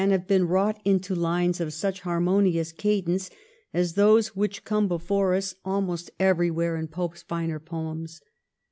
have been wrought into lines of such harmonious cadence as those which come upon us almost everywhere in Pope's finer poems.